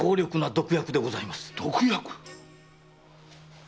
毒薬⁉